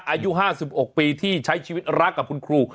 อายุ๕๖ปีที่ใช้ชีวิตรักกับคุณครู